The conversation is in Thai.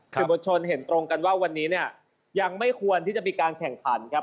สื่อมวลชนเห็นตรงกันว่าวันนี้เนี่ยยังไม่ควรที่จะมีการแข่งขันครับ